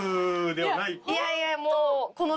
いやいやもう。